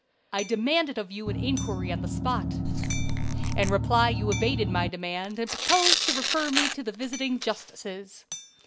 I demanded of you an inquiry on the spot. In reply you evaded my demand, and proposed to refer me to the visiting justices.